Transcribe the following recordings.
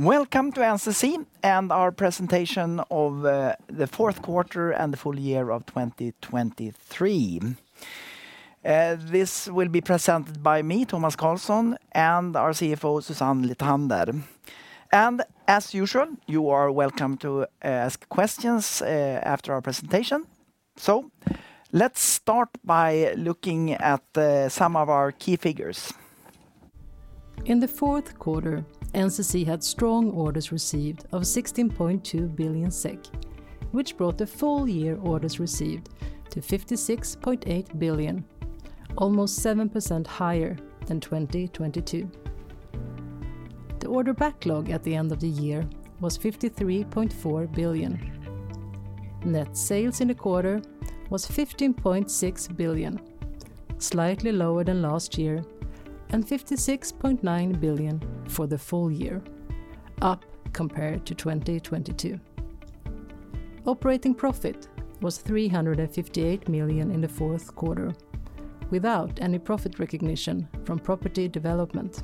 Welcome to NCC and our presentation of the fourth quarter and the full year of 2023. This will be presented by me, Tomas Carlsson, and our CFO, Susanne Lithander. And as usual, you are welcome to ask questions after our presentation. So let's start by looking at some of our key figures. In the fourth quarter, NCC had strong orders received of 16.2 billion SEK, which brought the full year orders received to 56.8 billion, almost 7% higher than 2022. The order backlog at the end of the year was 53.4 billion. Net sales in the quarter was 15.6 billion, slightly lower than last year, and 56.9 billion for the full year, up compared to 2022. Operating profit was 358 million in the fourth quarter, without any profit recognition from property development.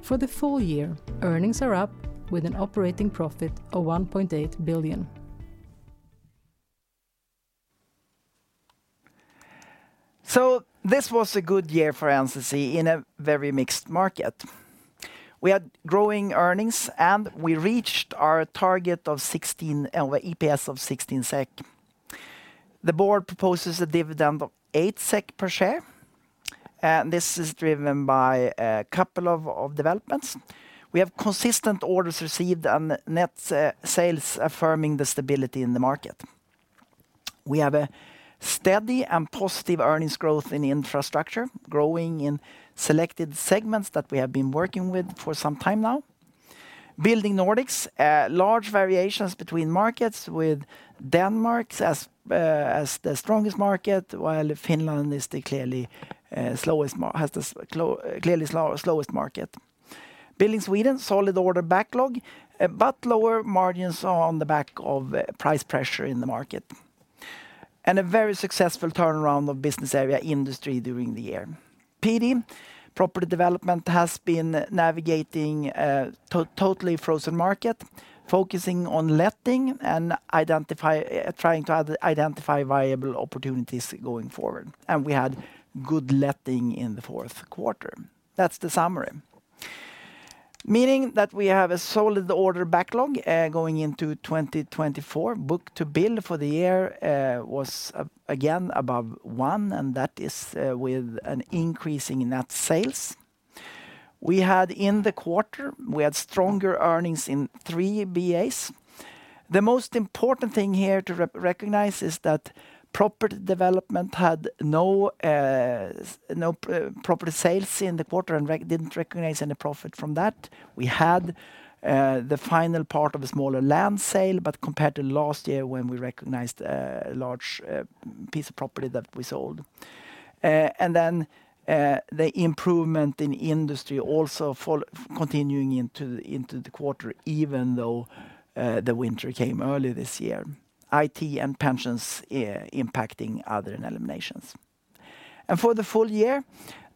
For the full year, earnings are up with an operating profit of 1.8 billion. So this was a good year for NCC in a very mixed market. We had growing earnings, and we reached our target of 16, our EPS of 16 SEK. The board proposes a dividend of 8 SEK per share, this is driven by a couple of developments. We have consistent orders received on net sales, affirming the stability in the market. We have a steady and positive earnings growth in Infrastructure, growing in selected segments that we have been working with for some time now. Building Nordics, large variations between markets with Denmark as the strongest market, while Finland is the clearly slowest market. Building Sweden, solid order backlog, but lower margins on the back of price pressure in the market. A very successful turnaround of business area Industry during the year. PD, Property Development, has been navigating a totally frozen market, focusing on letting and identifying viable opportunities going forward. We had good letting in the fourth quarter. That's the summary. Meaning that we have a solid order backlog going into 2024. Book to Bill for the year was again above one, and that is with an increase in net sales. We had in the quarter stronger earnings in three BAs. The most important thing here to recognize is that property development had no property sales in the quarter and didn't recognize any profit from that. We had the final part of a smaller land sale, but compared to last year, when we recognized a large piece of property that we sold. And then, the improvement in Industry also falling, continuing into the quarter, even though the winter came early this year. IT and pensions impacting other eliminations. For the full year,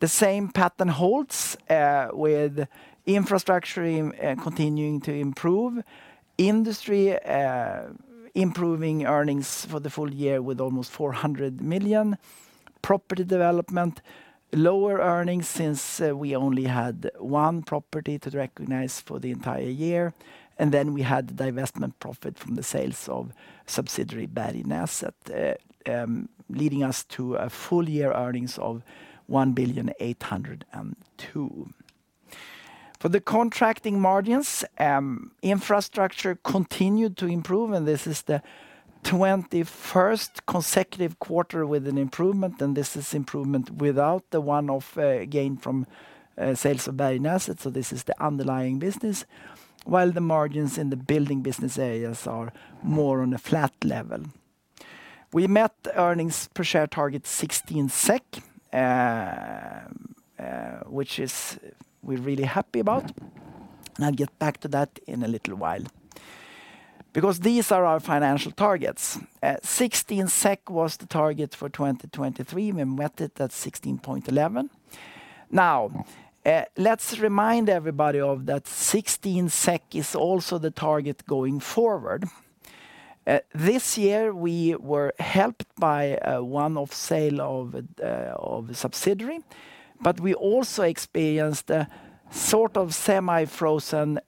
the same pattern holds with Infrastructure continuing to improve. Industry improving earnings for the full year with almost 400 million. Property development, lower earnings since we only had one property to recognize for the entire year. Then we had the divestment profit from the sales of subsidiary Bergnäset leading us to full year earnings of 1.802 billion. For the contracting margins, Infrastructure continued to improve, and this is the 21st consecutive quarter with an improvement, and this is improvement without the one-off gain from sales of Bergnäset, so this is the underlying business. While the margins in the building business areas are more on a flat level. We met earnings per share target 16 SEK, which is we're really happy about. I'll get back to that in a little while. Because these are our financial targets. 16 SEK was the target for 2023. We met it at 16.11. Now, let's remind everybody of that 16 SEK is also the target going forward. This year, we were helped by one-off sale of a subsidiary, but we also experienced a sort of semi-frozen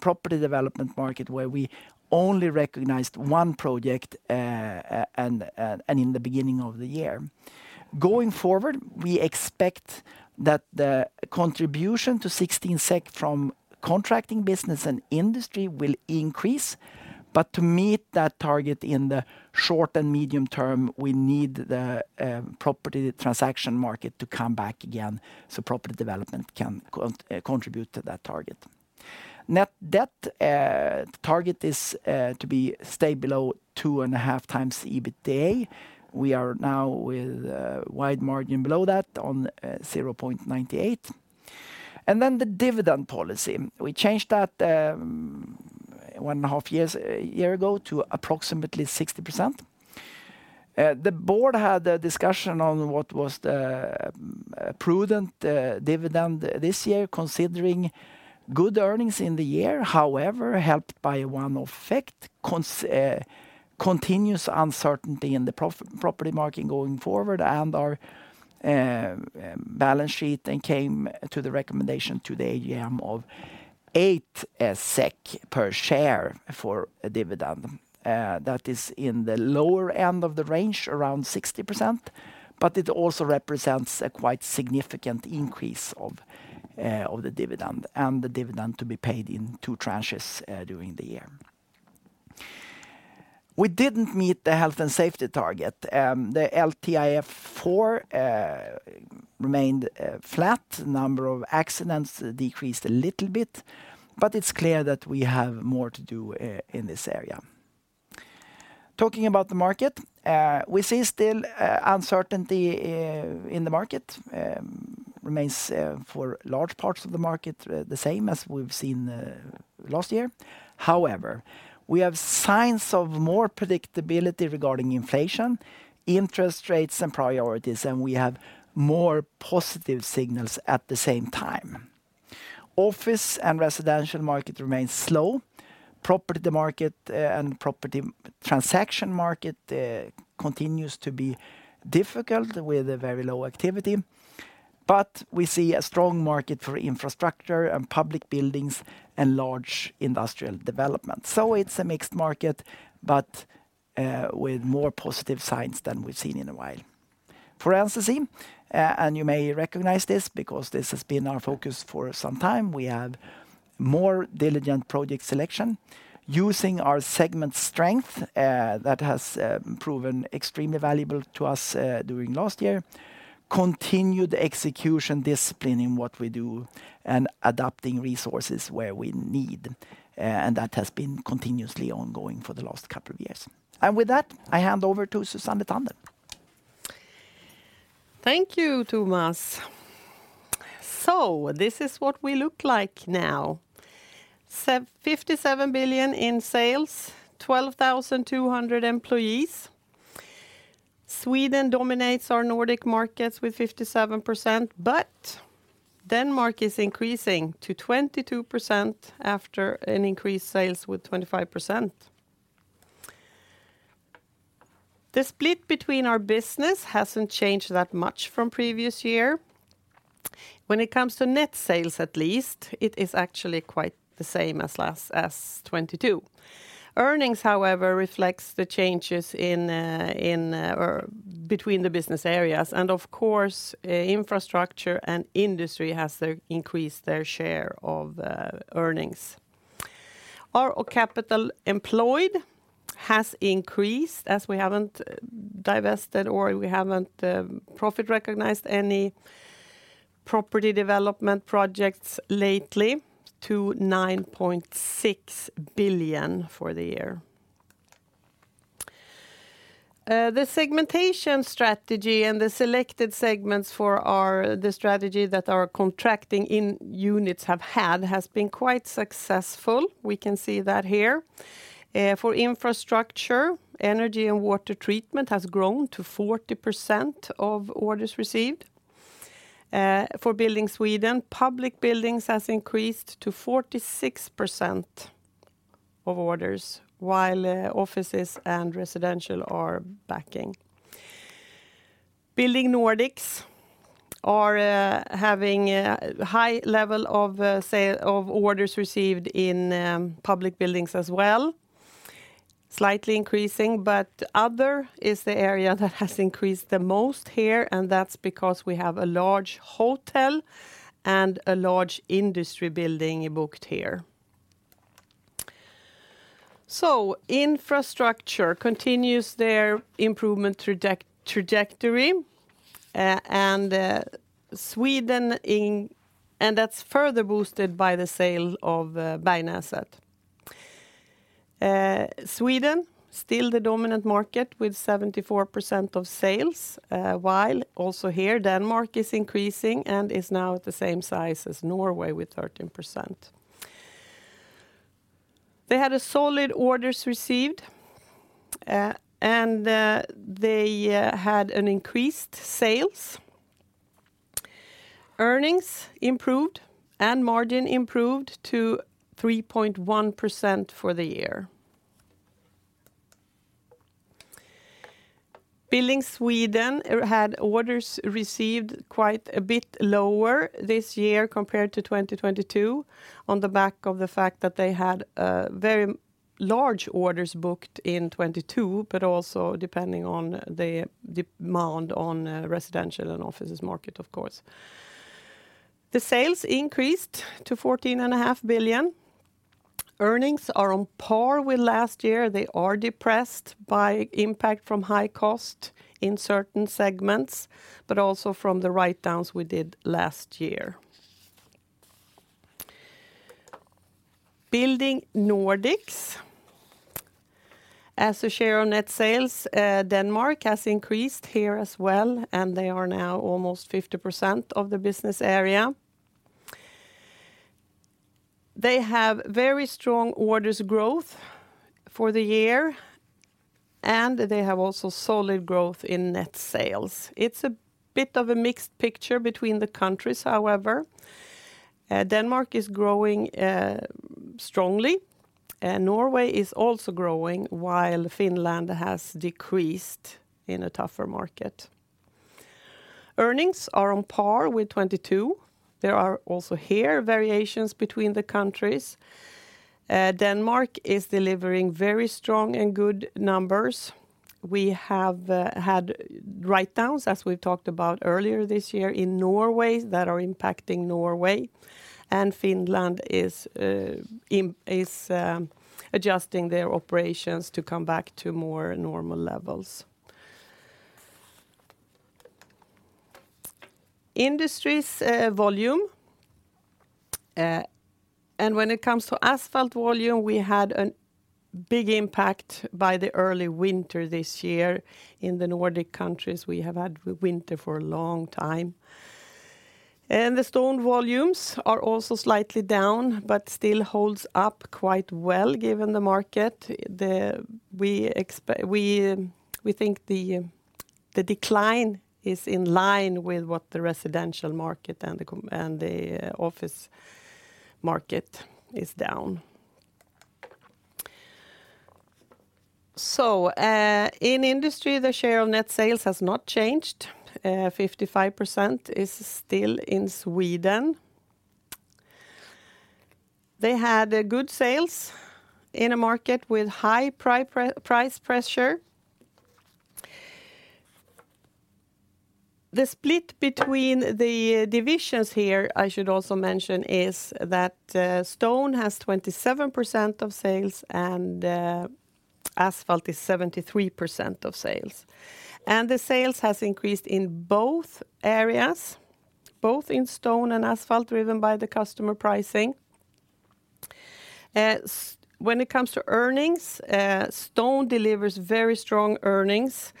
property development market, where we only recognized one project, and in the beginning of the year. Going forward, we expect that the contribution to 16 SEK from contracting business and Industry will increase, but to meet that target in the short and medium term, we need the property transaction market to come back again, so property development can contribute to that target. Net debt target is to stay below 2.5x EBITDA. We are now with a wide margin below that on 0.98. Then the dividend policy. We changed that 1.5 years ago to approximately 60%. The board had a discussion on what was the prudent dividend this year, considering good earnings in the year. However, helped by one effect, continuous uncertainty in the property market going forward, and our balance sheet, and came to the recommendation to the AGM of 8 SEK per share for a dividend. That is in the lower end of the range, around 60%, but it also represents a quite significant increase of the dividend, and the dividend to be paid in 2 tranches during the year. We didn't meet the health and safety target. The LTIF4 remained flat. Number of accidents decreased a little bit, but it's clear that we have more to do in this area. Talking about the market, we see still uncertainty in the market. Remains for large parts of the market the same as we've seen last year. However, we have signs of more predictability regarding inflation, interest rates, and priorities, and we have more positive signals at the same time. Office and residential market remains slow. Property market, and property transaction market, continues to be difficult with a very low activity. But we see a strong market for Infrastructure and public buildings and large industrial development. So it's a mixed market, but, with more positive signs than we've seen in a while. For NCC, and you may recognize this because this has been our focus for some time, we have more diligent project selection using our segment strength, that has, proven extremely valuable to us, during last year. Continued execution discipline in what we do and adapting resources where we need, and that has been continuously ongoing for the last couple of years. With that, I hand over to Susanne Lithander. Thank you, Tomas. So this is what we look like now. 57 billion in sales, 12,200 employees. Sweden dominates our Nordic markets with 57%, but Denmark is increasing to 22% after an increased sales with 25%. The split between our business hasn't changed that much from previous year. When it comes to net sales, at least, it is actually quite the same as last, as 2022. Earnings, however, reflects the changes in or between the business areas, and of course, Infrastructure and Industry has to increase their share of earnings. Our capital employed has increased, as we haven't divested or we haven't profit recognized any property development projects lately, to 9.6 billion for the year. The segmentation strategy and the selected segments for our, the strategy that our contracting in units have had, has been quite successful. We can see that here. For Infrastructure, energy and water treatment has grown to 40% of orders received. For Building Sweden, public buildings has increased to 46% of orders, while offices and residential are backing. Building Nordics are having a high level of share of orders received in public buildings as well, slightly increasing, but other is the area that has increased the most here, and that's because we have a large hotel and a large Industry building booked here. So Infrastructure continues their improvement trajectory, and Sweden. And that's further boosted by the sale of Bergnäset. Sweden, still the dominant market with 74% of sales, while also here, Denmark is increasing and is now at the same size as Norway with 13%. They had a solid orders received, and they had an increased sales. Earnings improved, and margin improved to 3.1% for the year. Building Sweden had orders received quite a bit lower this year compared to 2022, on the back of the fact that they had very large orders booked in 2022, but also depending on the demand on residential and offices market, of course. The sales increased to 14.5 billion. Earnings are on par with last year. They are depressed by impact from high cost in certain segments, but also from the writedowns we did last year. Building Nordics-... As the share of net sales, Denmark has increased here as well, and they are now almost 50% of the business area. They have very strong orders growth for the year, and they have also solid growth in net sales. It's a bit of a mixed picture between the countries, however. Denmark is growing strongly, and Norway is also growing, while Finland has decreased in a tougher market. Earnings are on par with 2022. There are also here variations between the countries. Denmark is delivering very strong and good numbers. We have had write-downs, as we've talked about earlier this year, in Norway that are impacting Norway, and Finland is adjusting their operations to come back to more normal levels. Industry volume, and when it comes to asphalt volume, we had a big impact by the early winter this year. In the Nordic countries, we have had winter for a long time, and the stone volumes are also slightly down, but still holds up quite well, given the market. We think the decline is in line with what the residential market and the commercial and the office market is down. So, in Industry, the share of net sales has not changed. 55% is still in Sweden. They had good sales in a market with high price pressure. The split between the divisions here, I should also mention, is that stone has 27% of sales and asphalt is 73% of sales. The sales has increased in both areas, both in stone and asphalt, driven by the customer pricing. When it comes to earnings, stone delivers very strong earnings,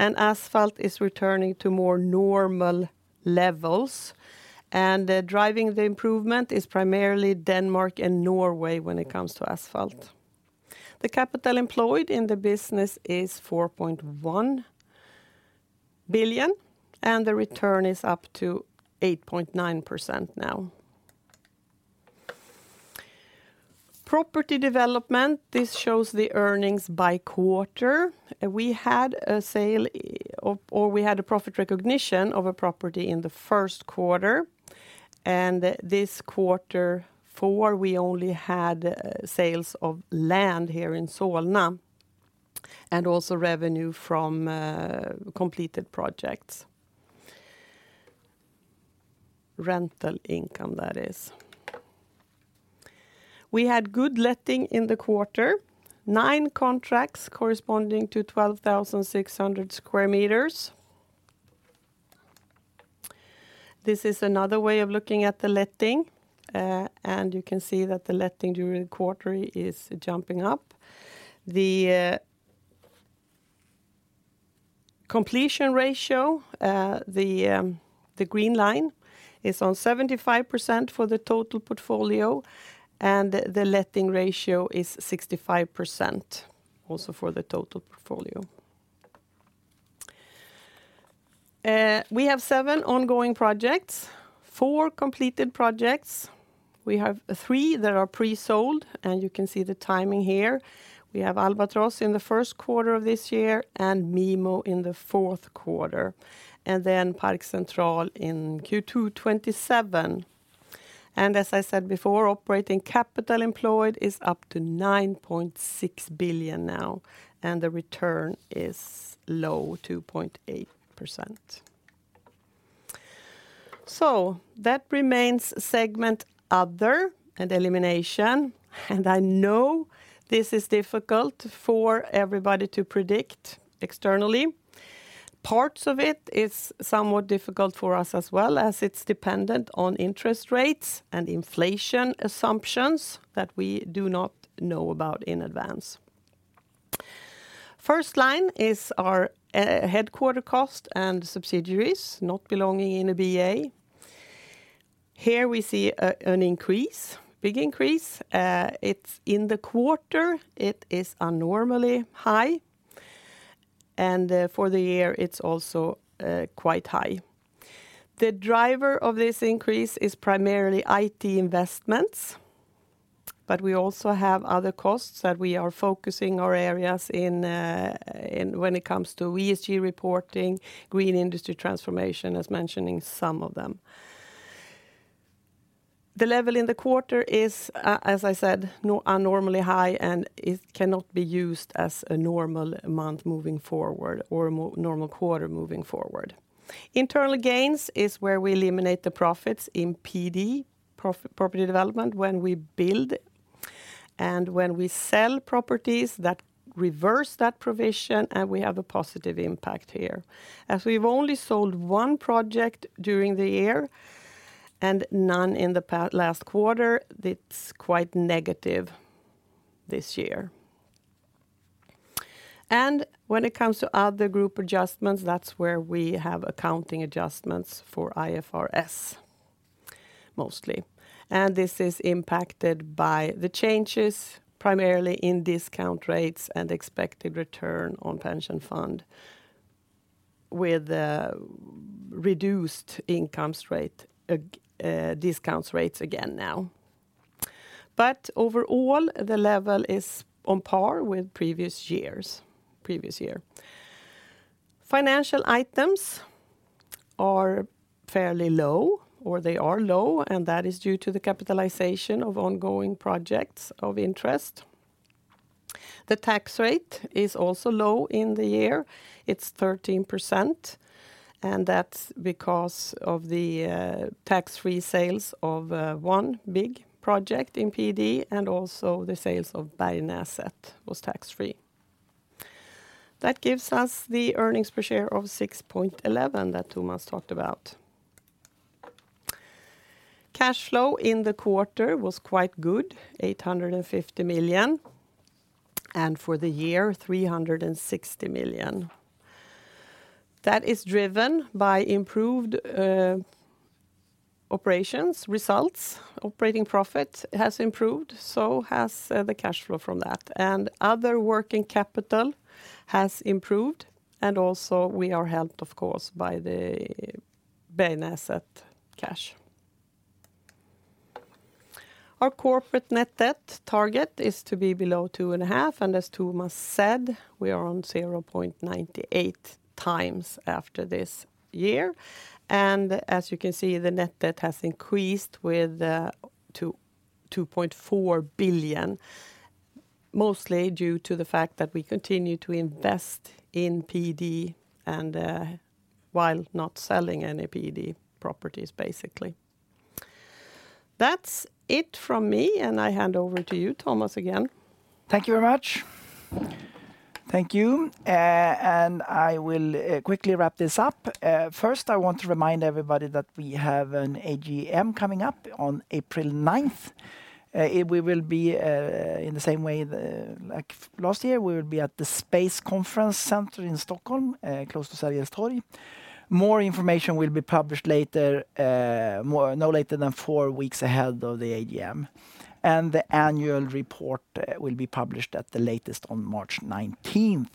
and asphalt is returning to more normal levels, and driving the improvement is primarily Denmark and Norway when it comes to asphalt. The capital employed in the business is 4.1 billion, and the return is up to 8.9% now. Property development, this shows the earnings by quarter. We had a sale or we had a profit recognition of a property in the first quarter, and this quarter four, we only had sales of land here in Solna and also revenue from completed projects. Rental income, that is. We had good letting in the quarter, nine contracts corresponding to 12,600 square meters. This is another way of looking at the letting, and you can see that the letting during the quarter is jumping up. The completion ratio, the green line, is on 75% for the total portfolio, and the letting ratio is 65%, also for the total portfolio. We have 7 ongoing projects, 4 completed projects. We have 3 that are pre-sold, and you can see the timing here. We have Albatross in the first quarter of this year and MIMO in the fourth quarter, and then Park Central in Q2 2027. And as I said before, operating capital employed is up to 9.6 billion now, and the return is low, 2.8%. So that remains segment other and elimination, and I know this is difficult for everybody to predict externally. Parts of it is somewhat difficult for us as well, as it's dependent on interest rates and inflation assumptions that we do not know about in advance. First line is our headquarter cost and subsidiaries, not belonging in a BA. Here we see a, an increase, big increase. It's in the quarter, it is abnormally high, and for the year, it's also quite high. The driver of this increase is primarily IT investments, but we also have other costs that we are focusing our areas in, in when it comes to ESG reporting, green Industry transformation, as mentioning some of them. The level in the quarter is, as I said, abnormally high, and it cannot be used as a normal amount moving forward or a normal quarter moving forward. Internal gains is where we eliminate the profits in PD, property development, when we build and when we sell properties that reverse that provision, and we have a positive impact here. As we've only sold one project during the year and none in the past last quarter. It's quite negative this year. When it comes to other group adjustments, that's where we have accounting adjustments for IFRS, mostly. This is impacted by the changes, primarily in discount rates and expected return on pension fund, with the reduced income rate, discount rates again now. Overall, the level is on par with previous years, previous year. Financial items are fairly low, or they are low, and that is due to the capitalization of ongoing projects of interest. The tax rate is also low in the year. It's 13%, and that's because of the tax-free sales of one big project in PD, and also the sales of the Albatross asset was tax-free. That gives us the earnings per share of 6.11 that Tomas talked about. Cash flow in the quarter was quite good, 850 million, and for the year, 360 million. That is driven by improved operations results. Operating profit has improved, so has the cash flow from that. And other working capital has improved, and also we are helped, of course, by the Albatross asset cash. Our corporate net debt target is to be below 2.5, and as Tomas said, we are on 0.98 times after this year. As you can see, the Net Debt has increased with to 2.4 billion, mostly due to the fact that we continue to invest in PD and while not selling any PD properties, basically. That's it from me, and I hand over to you, Tomas, again. Thank you very much. Thank you. And I will quickly wrap this up. First, I want to remind everybody that we have an AGM coming up on April 9. It will be, in the same way, like last year, we will be at the Space Conference Center in Stockholm, close to Sergels Torg. More information will be published later, no later than 4 weeks ahead of the AGM, and the annual report will be published at the latest on March 19.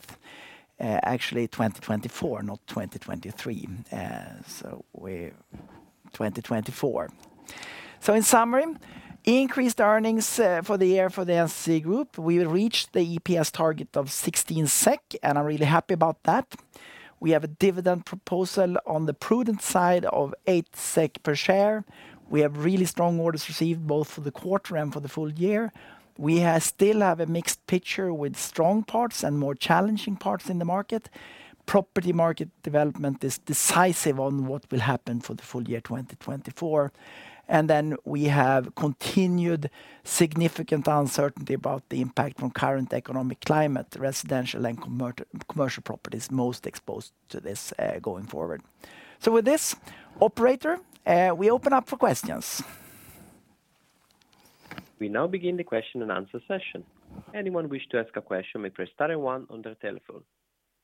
Actually 2024, not 2023, so we're 2024. So in summary, increased earnings for the year for the NCC Group. We reached the EPS target of 16 SEK, and I'm really happy about that. We have a dividend proposal on the prudent side of 8 SEK per share. We have really strong orders received, both for the quarter and for the full year. We still have a mixed picture with strong parts and more challenging parts in the market. Property market development is decisive on what will happen for the full year 2024. And then we have continued significant uncertainty about the impact from current economic climate, residential and commercial properties most exposed to this, going forward. So with this, operator, we open up for questions. We now begin the question and answer session. Anyone wish to ask a question may press star and one on their telephone.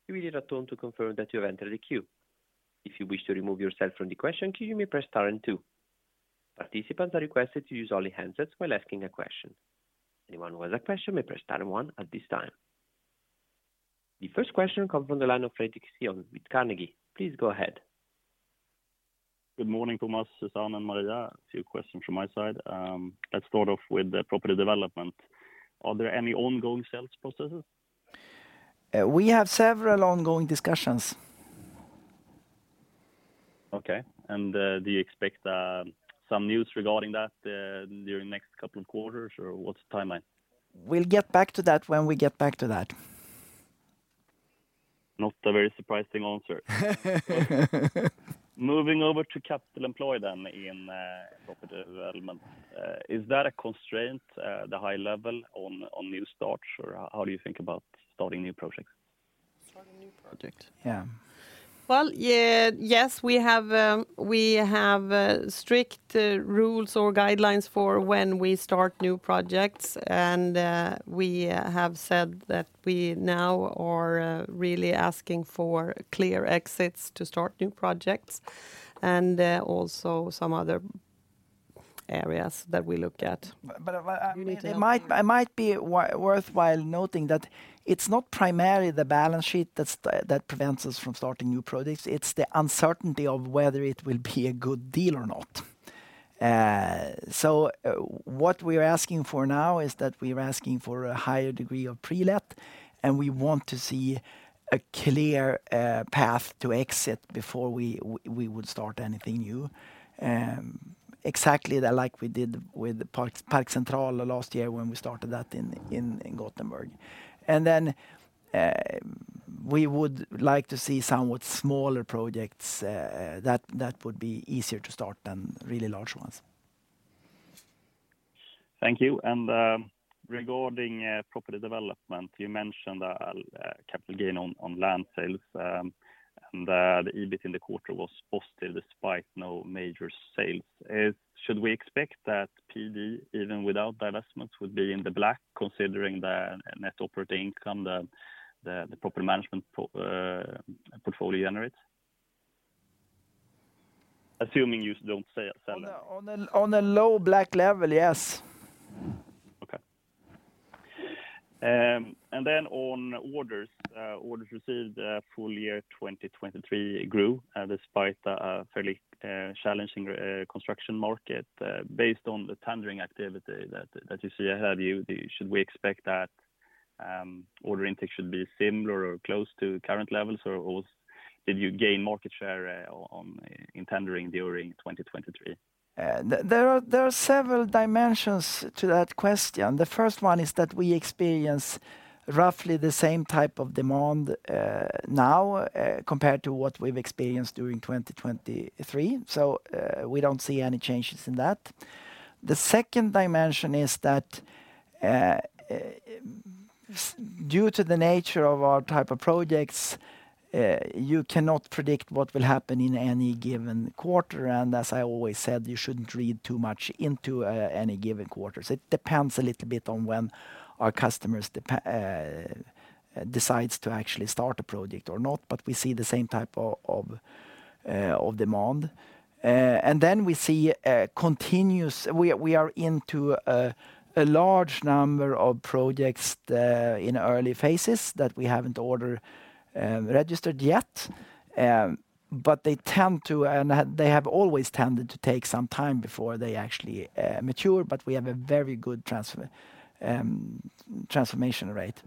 You will hear a tone to confirm that you have entered the queue. If you wish to remove yourself from the question queue, you may press star and two. Participants are requested to use only handsets while asking a question. Anyone who has a question may press star and one at this time. The first question comes from the line of Fredric Cyon with Carnegie. Please go ahead. Good morning, Tomas, Susanne, and Maria. A few questions from my side. Let's start off with the property development. Are there any ongoing sales processes? We have several ongoing discussions. Okay. And, do you expect some news regarding that during the next couple of quarters, or what's the timeline? We'll get back to that when we get back to that. Not a very surprising answer. Moving over to capital employed then in property development, is that a constraint, the high level on, on new starts, or how do you think about starting new projects? Starting new projects, yeah. Well, yeah, yes, we have strict rules or guidelines for when we start new projects, and we have said that we now are really asking for clear exits to start new projects, and also some other areas that we look at. But it might be worthwhile noting that it's not primarily the balance sheet that's that prevents us from starting new projects. It's the uncertainty of whether it will be a good deal or not. So what we are asking for now is that we are asking for a higher degree of pre-let, and we want to see a clear path to exit before we would start anything new. Exactly like we did with Park Central last year when we started that in Gothenburg. And then we would like to see somewhat smaller projects that would be easier to start than really large ones.... Thank you. And, regarding property development, you mentioned capital gain on land sales, and that EBIT in the quarter was positive despite no major sales. Should we expect that PD, even without divestments, would be in the black, considering the net operating income the proper management portfolio generates? Assuming you don't sell it. On a low black level, yes. Okay. And then on orders, orders received, full year 2023 grew, despite a fairly challenging construction market. Based on the tendering activity that you see ahead, should we expect that order intake should be similar or close to current levels? Or did you gain market share in tendering during 2023? There are several dimensions to that question. The first one is that we experience roughly the same type of demand now, compared to what we've experienced during 2023. So, we don't see any changes in that. The second dimension is that, due to the nature of our type of projects, you cannot predict what will happen in any given quarter. And as I always said, you shouldn't read too much into any given quarter. So it depends a little bit on when our customers decides to actually start a project or not, but we see the same type of demand. And then we see continuous. We are into a large number of projects in early phases that we haven't ordered or registered yet. They tend to, and they have always tended to take some time before they actually mature, but we have a very good transfer, transformation rate.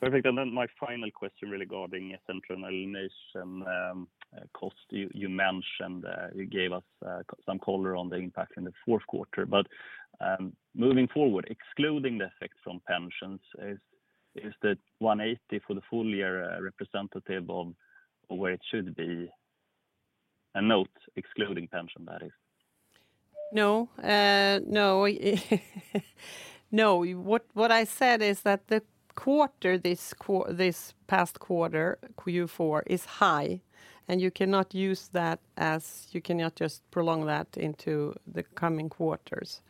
Perfect. And then my final question regarding centralization cost. You mentioned, you gave us some color on the impact in the fourth quarter. But, moving forward, excluding the effect from pensions, is the 180 for the full year representative of where it should be? And note, excluding pension, that is. No, no, what I said is that this past quarter, Q4, is high, and you cannot use that as... You cannot just prolong that into the coming quarters.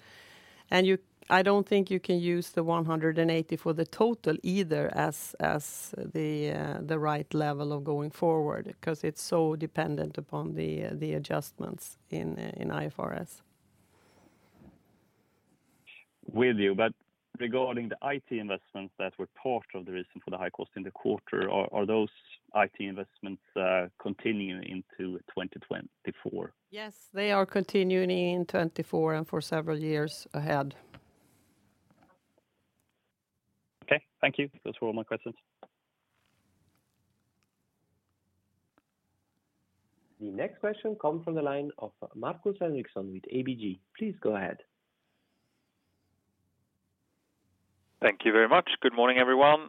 I don't think you can use the 180 for the total either as the right level going forward, because it's so dependent upon the adjustments in IFRS. With you, but regarding the IT investments that were part of the reason for the high cost in the quarter, are those IT investments continuing into 2024? Yes, they are continuing in 2024 and for several years ahead. Okay. Thank you. Those were all my questions. The next question comes from the line of Markus Henriksson with ABG. Please go ahead. Thank you very much. Good morning, everyone.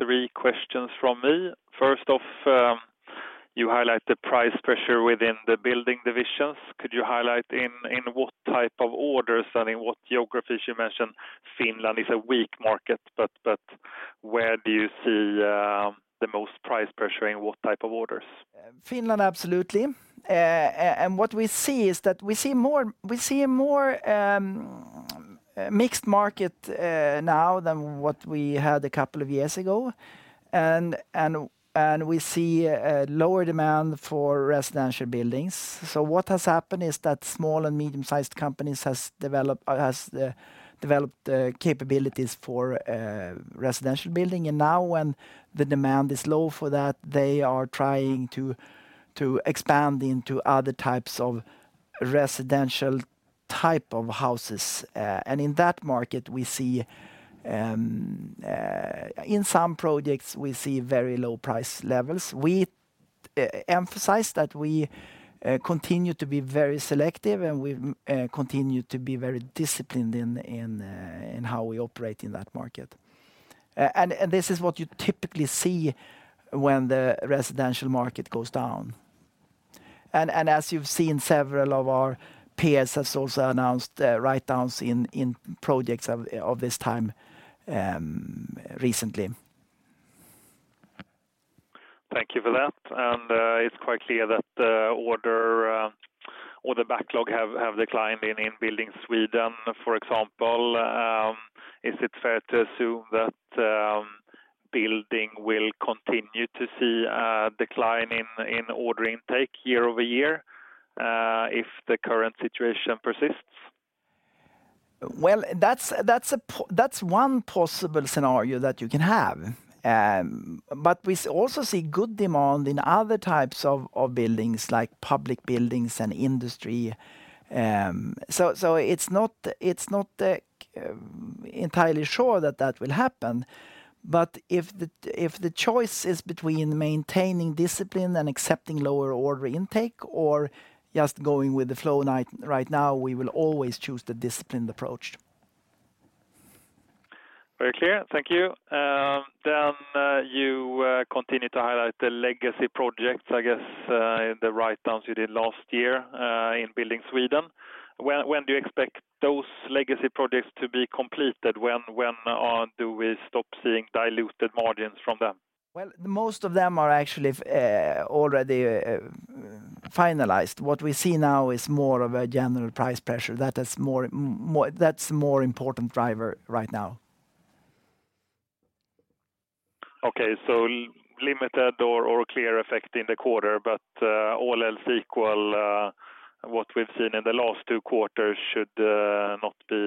Three questions from me. First off, you highlight the price pressure within the building divisions. Could you highlight in what type of orders and in what geographies? You mentioned Finland is a weak market, but where do you see the most price pressure, in what type of orders? Finland, absolutely. And what we see is that we see more, we see a more, mixed market, now than what we had a couple of years ago. And we see a lower demand for residential buildings. So what has happened is that small and medium-sized companies has developed capabilities for residential building. And now, when the demand is low for that, they are trying to expand into other types of residential type of houses. And in that market, we see, in some projects, we see very low price levels. We emphasize that we continue to be very selective, and we continue to be very disciplined in how we operate in that market. This is what you typically see when the residential market goes down. As you've seen, several of our peers have also announced write-downs in projects of this time recently. Thank you for that. And, it's quite clear that the order backlog has declined in Building Sweden, for example. Is it fair to assume that building will continue to see a decline in order intake year-over-year, if the current situation persists? Well, that's one possible scenario that you can have. But we also see good demand in other types of buildings, like public buildings and Industry. So it's not entirely sure that that will happen. But if the choice is between maintaining discipline and accepting lower order intake, or just going with the flow right now, we will always choose the disciplined approach.... Very clear. Thank you. Then you continue to highlight the legacy projects, I guess, in the writedowns you did last year, in Building Sweden. When do you expect those legacy projects to be completed? When do we stop seeing diluted margins from them? Well, most of them are actually already finalized. What we see now is more of a general price pressure. That's a more important driver right now. Okay. So limited or clear effect in the quarter, but all else equal, what we've seen in the last two quarters should not be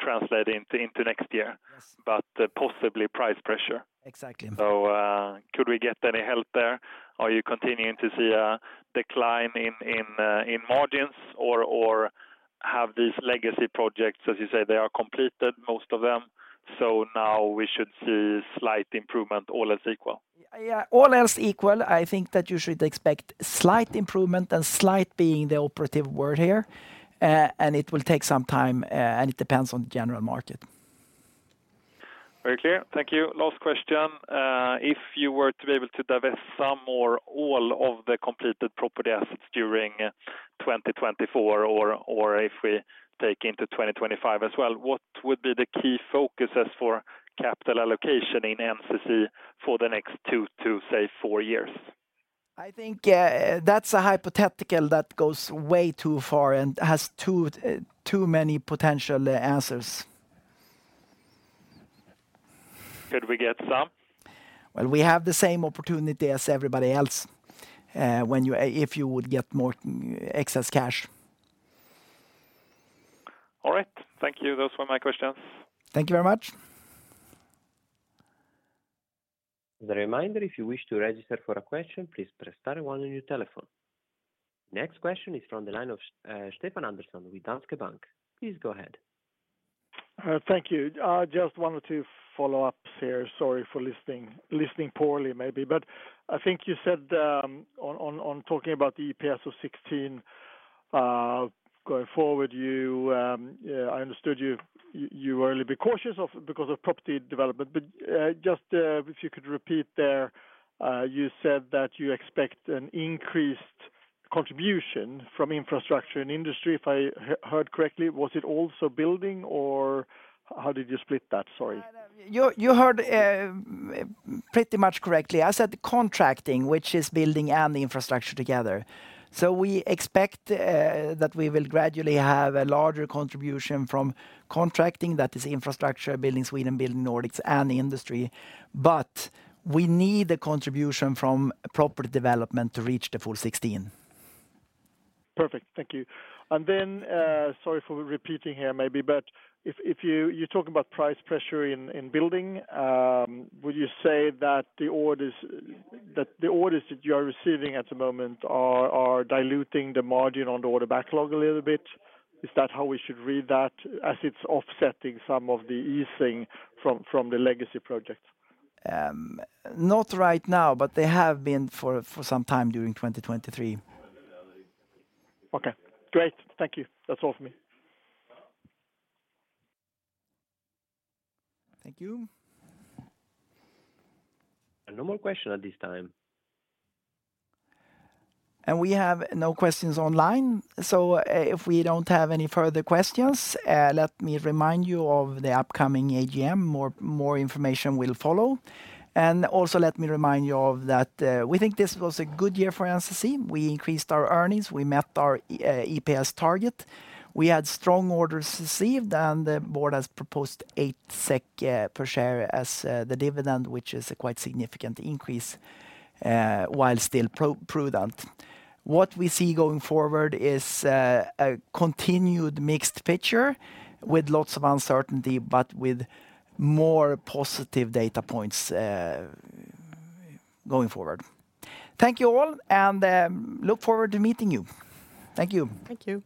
translated into next year? Yes. But possibly price pressure. Exactly. So, could we get any help there? Are you continuing to see a decline in margins? Or have these legacy projects, as you said, they are completed, most of them, so now we should see slight improvement, all else equal? Yeah, all else equal, I think that you should expect slight improvement, and slight being the operative word here. It will take some time, and it depends on the general market. Very clear. Thank you. Last question. If you were to be able to divest some or all of the completed property assets during 2024, or if we take into 2025 as well, what would be the key focuses for capital allocation in NCC for the next two to, say, four years? I think that's a hypothetical that goes way too far and has too many potential answers. Could we get some? Well, we have the same opportunity as everybody else, if you would get more excess cash. All right. Thank you. Those were my questions. Thank you very much. As a reminder, if you wish to register for a question, please press star one on your telephone. Next question is from the line of, Stefan Andersson with Danske Bank. Please go ahead. Thank you. Just one or two follow-ups here. Sorry for listening poorly maybe, but I think you said, on talking about the EPS of 16 going forward, I understood you were a little bit cautious of it because of property development. But just if you could repeat there, you said that you expect an increased contribution from Infrastructure and industry, if I heard correctly. Was it also building, or how did you split that? Sorry. You heard pretty much correctly. I said contracting, which is building and the Infrastructure together. So we expect that we will gradually have a larger contribution from contracting. That is Infrastructure, Building Sweden, Building Nordics, and Industry. But we need the contribution from Property Development to reach the full 16. Perfect. Thank you. And then, sorry for repeating here maybe, but if you talk about price pressure in building, would you say that the orders that you are receiving at the moment are diluting the margin on the order backlog a little bit? Is that how we should read that, as it's offsetting some of the easing from the legacy projects? Not right now, but they have been for some time during 2023. Okay, great. Thank you. That's all for me. Thank you. No more question at this time. We have no questions online, so if we don't have any further questions, let me remind you of the upcoming AGM. More information will follow. Also let me remind you that we think this was a good year for NCC. We increased our earnings. We met our EPS target. We had strong orders received, and the board has proposed 8 SEK per share as the dividend, which is a quite significant increase while still prudent. What we see going forward is a continued mixed picture with lots of uncertainty, but with more positive data points going forward. Thank you all, and look forward to meeting you. Thank you. Thank you.